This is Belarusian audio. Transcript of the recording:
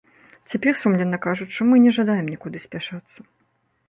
Цяпер, сумленна кажучы, мы не жадаем нікуды спяшацца.